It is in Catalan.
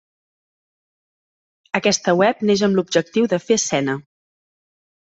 Aquesta web neix amb l’objectiu de fer escena.